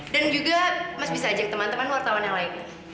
dan juga mas bisa ajak teman teman wartawan yang lainnya